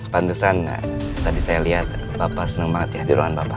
pantusan tadi saya lihat bapak seneng banget di ruangan bapak